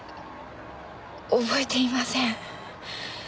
覚えていません。